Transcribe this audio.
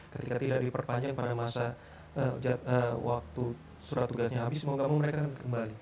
ketika tidak diperpanjang pada masa waktu surat tugasnya habis mau gak mau mereka kembali